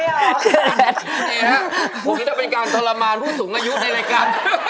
นี่ฮะผมจะเป็นการทรมานผู้สูงอายุในรายการ